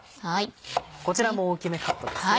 こちらも大きめカットですね。